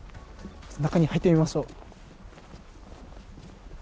中に入ってみましょう。